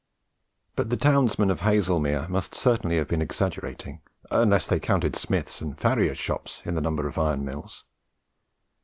But the townsmen of Haslemere must certainly have been exaggerating, unless they counted smiths' and farriers' shops in the number of iron mills.